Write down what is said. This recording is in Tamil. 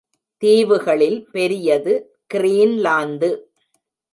தீவுகளில் பெரியது கிரீன்லாந்து.